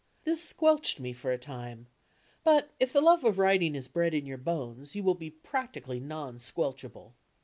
This squelched me for a time; but if the love of writing is bred in your bones, you will be practically non squelchable.